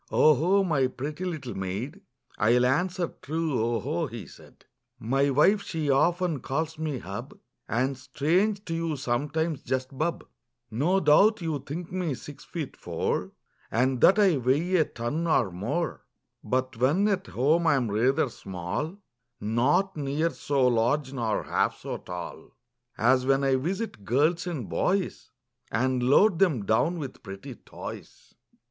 ''" 0 ho ! my pretty little maid. I'll answer true, 0 ho !" he said. Copyrighted, 1897. Y wife, she often calls me hub, ^ And, strange to you, sometimes just bub, No doubt you think me six feet, four, And that I weigh a ton or more, But when at home I'm rather small, Not near so large nor half so tall As when I visit girls and boys And load them down with pretty toys."